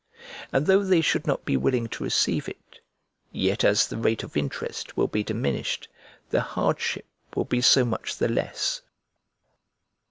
And though they should not be willing to receive it, yet as the rate of interest will be diminished, the hardship will be so much the less.